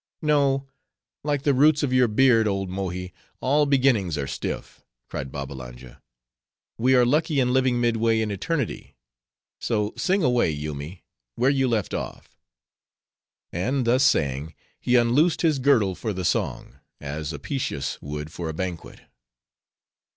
"No: like the roots of your beard, old Mohi, all beginnings are stiff," cried Babbalanja. "We are lucky in living midway in eternity. So sing away, Yoomy, where you left off," and thus saying he unloosed his girdle for the song, as Apicius would for a banquet.